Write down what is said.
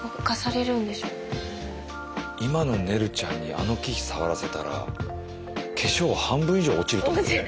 今のねるちゃんにあの木触らせたら化粧半分以上落ちると思うよ。